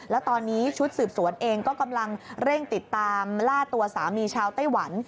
แล้วตอนนี้ชุดสืบสวนเองก็กำลังเร่งติดตามล่าตัวสามีชาวไต้หวัน